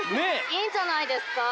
いいんじゃないですか？